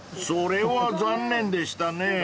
［それは残念でしたね］